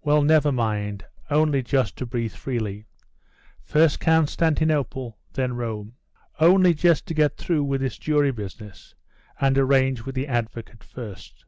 "Well, never mind; only just to breathe freely. First Constantinople, then Rome. Only just to get through with this jury business, and arrange with the advocate first."